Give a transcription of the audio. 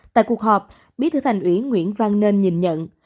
tại cuộc họp bí thư thành ủy nguyễn văn nên nhìn nhận